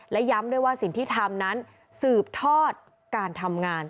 และย้ำด้วยว่าสิ่งที่ทำนั้นสืบทอดการทำงาน